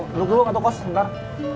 dulu dulu kak tukos bentar